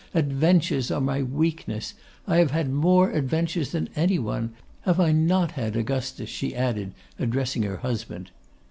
'Adventures are my weakness. I have had more adventures than any one. Have I not had, Augustus?' she added, addressing her husband.